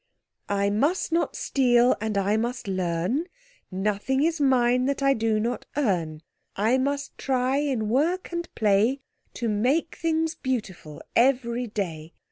"I must not steal and I must learn, Nothing is mine that I do not earn. I must try in work and play To make things beautiful every day.